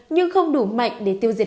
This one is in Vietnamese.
nhưng không đủ mạnh để tiêu diệt